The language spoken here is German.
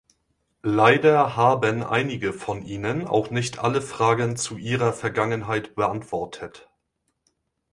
Leider haben einige von ihnen auch nicht alle Fragen zu ihrer Vergangenheit beantwortet.